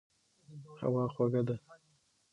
هوا خوږه ده.